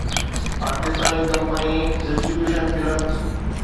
Pakistani company 'distribution club'